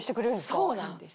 そうなんです。